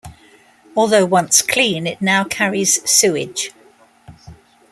Although once clean, it now carries sewage.